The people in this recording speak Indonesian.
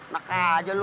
nekah aja lu